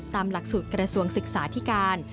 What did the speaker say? ตามหลักสุทธิ์กระทรวงศึกษาที่การ